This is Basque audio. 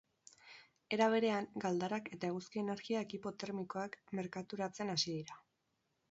Era berean, galdarak eta eguzki energia ekipo termikoak merkaturatzen hasi dira.